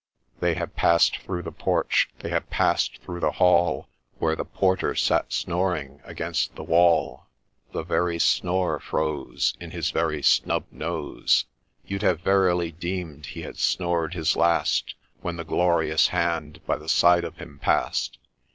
They have pass'd through the porch, they have pass'd through the hall, Where the Porter, sat snoring against the wall ; The very snore froze, In his very snub nose, You'd have verily deem'd he had snored his last When the GLORIOUS HAND by the side of him pass'd